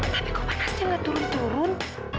tapi kok panasnya gak turun turun